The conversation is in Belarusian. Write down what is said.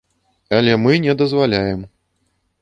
Але мы не дазваляем.